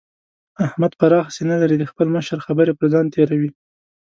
احمد پراخه سينه لري؛ د خپل مشر خبرې پر ځان تېروي.